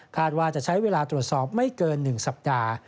ว่าจะใช้เวลาตรวจสอบไม่เกิน๑สัปดาห์